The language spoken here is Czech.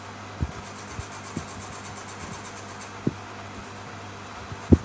Mimo to skupina odehrála desítky samostatných koncertů.